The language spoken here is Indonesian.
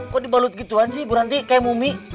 kok dibalut gituan sih buranti kayak mumi